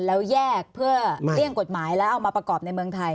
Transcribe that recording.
แล้วแยกเพื่อเลี่ยงกฎหมายแล้วเอามาประกอบในเมืองไทย